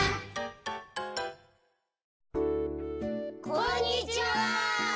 こんにちは！